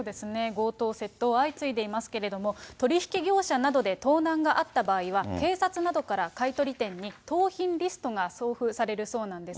強盗、窃盗相次いでいますけれども、取り引き業者などで盗難があった場合は、警察などから買い取り店に盗品リストが送付されるそうなんです。